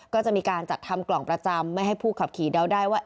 ก็จะมีการจัดทำกล่องประจำไม่ให้ผู้ขับขี่เดาได้ว่า